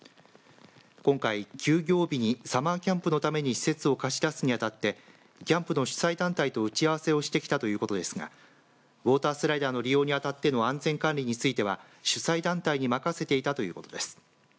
今回、休業日にサマーキャンプのために施設を貸し出すに当たってキャンプの主催団体と打ち合わせをしてきたということですがウォータースライダーの利用に当たっての安全管理については主催団体に任せていたということです。